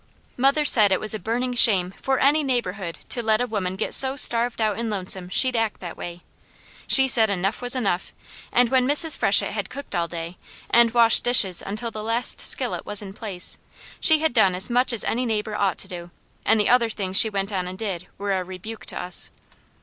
Mother said it was a burning shame for any neighbourhood to let a woman get so starved out and lonesome she'd act that way. She said enough was enough, and when Mrs. Freshett had cooked all day, and washed dishes until the last skillet was in place, she had done as much as any neighbour ought to do, and the other things she went on and did were a rebuke to us.